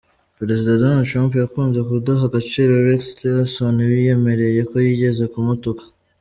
Perezida Donald Trump yakunze kudaha agaciro Rex Tillerson wiyemereye ko yigeze kumutuka.